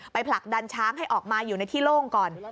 ผลักดันช้างให้ออกมาอยู่ในที่โล่งก่อน